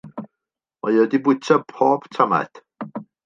Mae o 'di bwyta pob tamaid.